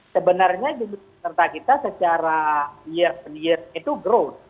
sebenarnya jumlah peserta kita secara year itu growth